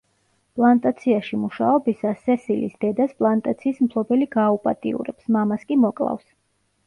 პლანტაციაში მუშაობისას სესილის დედას პლანტაციის მფლობელი გააუპატიურებს, მამას კი მოკლავს.